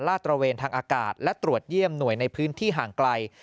ตระเวนทางอากาศและตรวจเยี่ยมหน่วยในพื้นที่ห่างไกล